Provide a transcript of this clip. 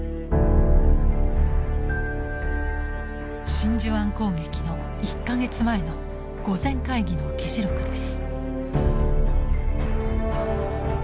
真珠湾攻撃の１か月前の御前会議の議事録です。